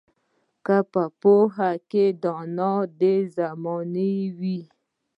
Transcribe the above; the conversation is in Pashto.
که په پوهه کې دانا د زمانې وي